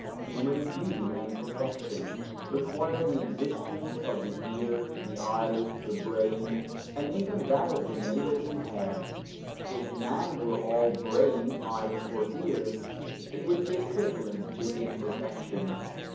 Human beauty and perfection require the existence of the ear, the eye, the brain, and even that of the nails and hair; if man were all brain, eyes, or ears, it would be equivalent to imperfection.